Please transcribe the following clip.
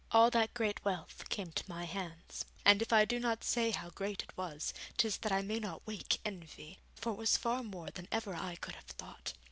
All that great wealth came to my hands, and if I do not say how great it was, 'tis that I may not wake envy, for it was far more than ever I could have thought.